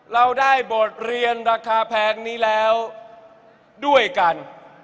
เราได้บทเรียนราคาแพงนี้แล้วด้วยกัน